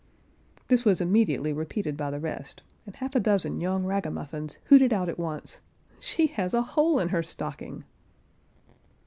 This was immediately repeated by the rest, and half a dozen young ragamuffins hooted out at once, "She has a hole in her stocking."